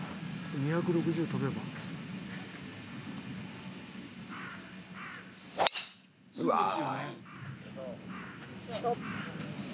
うわ。